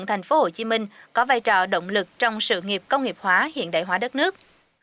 thành phố hồ chí minh có vai trò động lực trong sự nghiệp công nghiệp hóa hiện đại hóa đất nước